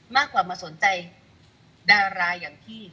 มากกว่ามาสนใจดาราอย่างพี่